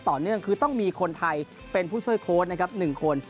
ต่อเนื่องคือต้องมีคนไทยเป็นผู้ช่วยโค้ชนะครับ๑คน